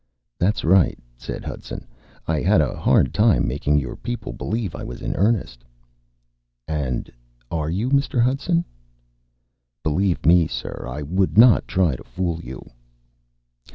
"That's right," said Hudson. "I had a hard time making your people believe I was in earnest." "And are you, Mr. Hudson?" "Believe me, sir, I would not try to fool you."